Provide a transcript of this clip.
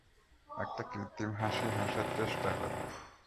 একটা কৃত্রিম হাসি হাসার চেষ্টা করে।